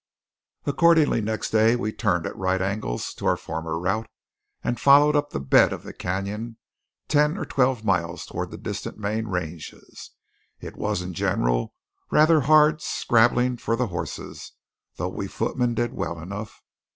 Accordingly next day we turned at right angles to our former route and followed up the bed of the cañon ten or twelve miles toward the distant main ranges. It was, in general, rather hard scrabbling for the horses, though we footmen did well enough.